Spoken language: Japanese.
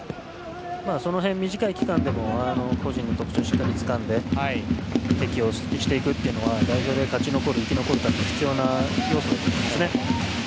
その辺、短い期間でも個人の特徴をしっかりつかんで適応していくのは代表で勝ち残る、生き残るうえで大事な要素ですね。